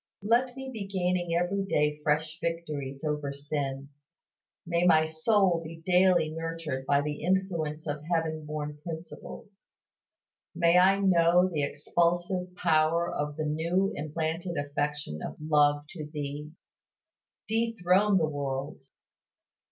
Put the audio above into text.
Let me be gaining every day fresh victories over sin; may my soul be daily nurtured by the influence of heaven born principles. May I know the expulsive power of the new implanted affection of love to Thee. Dethrone the world.